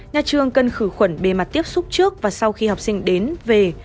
nhà trường cần khử khuẩn bề mặt tiếp xúc trước và sau khi học sinh đến về